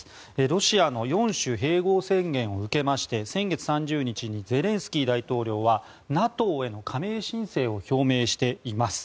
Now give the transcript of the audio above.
ロシアの４州併合宣言を受けまして先月３０日にゼレンスキー大統領はＮＡＴＯへの加盟申請を表明しています。